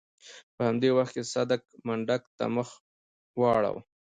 په همدې وخت کې صدک منډک ته مخ واړاوه.